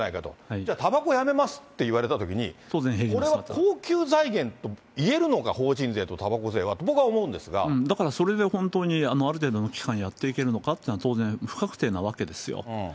じゃあ、たばこやめますって言われたときに、これは恒久財源といえるのか、法人税とたばこ税はって、僕は思うだから、それで本当にある程度の期間やっていけるのかっていうのは、当然、不確定なわけですよ。